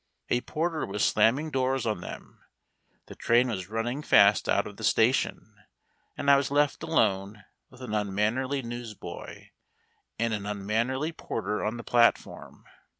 A porter was slamming doors on them, the train was running fast out of the station, and I was left alone with an unmannerly newsboy and an unmannerly porter on the platform.